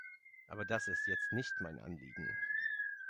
Aber das ist jetzt nicht mein Anliegen.